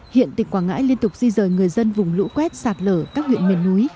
hiện tỉnh quảng ngãi liên tục di rời người dân vùng lũ quét sạt lở các huyện miền núi